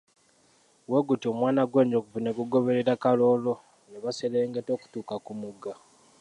Bwe gutyo, omwana gw'enjovu ne gugoberera Kaloolo ne baserengeta okutuuka ku mugga.